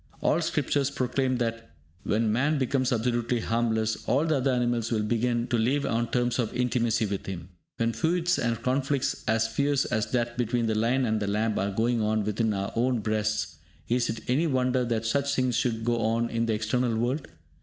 All scriptures proclaim that, when man becomes absolutely harmless, all the other animals will begin to live on terms of intimacy with him. When feuds and conflicts as fierce as that between the lion and the lamb are going on within our own breasts, is it any wonder that such things should go on in the external world?